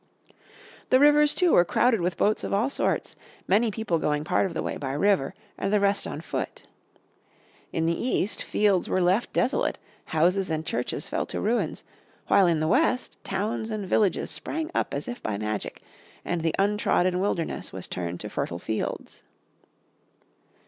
The rivers, too, were crowded with boats of all sorts, many people going part of the way by river, and the rest on foot. In the East fields were left desolate, houses and churches fell to ruins, while in the West towns and villages sprang up as if by magic, and the untrodden wilderness was turned to fertile fields.